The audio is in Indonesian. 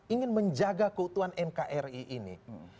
ingin menjaga keutuhan nkri ini